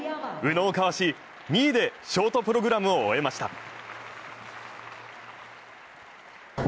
宇野をかわし２位でショートプログラムを終えました。